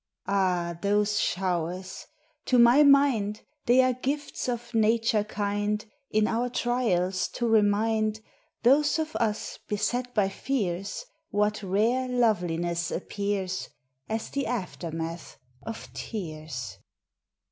Ah, those showers! To my mind They are gifts of Nature kind In our trials to remind Those of us beset by fears What rare loveliness appears As the aftermath of tears!